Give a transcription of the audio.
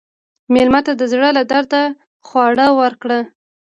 مېلمه ته د زړه له درده خواړه ورکړه.